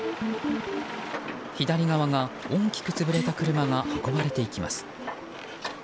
左側が大きく潰れた車が運ばれていきます。